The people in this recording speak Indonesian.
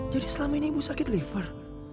jadi selama ini ibu sakit liver